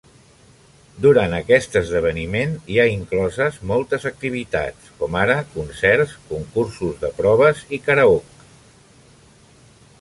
Durant aquest esdeveniment, hi ha incloses moltes activitats com ara concerts, concursos de proves i karaoke.